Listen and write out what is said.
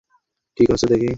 ঠিক আছে, দেখি কেমন পারো।